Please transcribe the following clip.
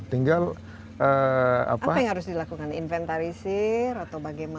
tinggal apa yang harus dilakukan inventarisir atau bagaimana